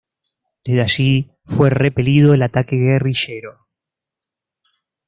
Desde allí fue repelido el ataque guerrillero.